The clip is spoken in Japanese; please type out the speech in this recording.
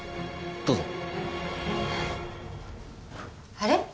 あれ？